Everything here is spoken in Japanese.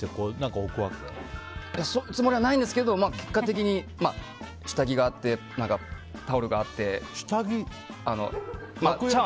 そのつもりはないんですけど結果的に、下着があってタオルがあってと。